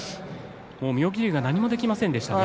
妙義龍は何もできませんでしたね。